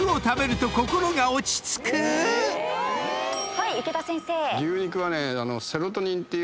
はい池田先生。